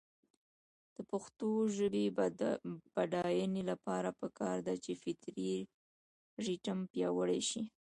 د پښتو ژبې د بډاینې لپاره پکار ده چې فطري ریتم پیاوړی شي.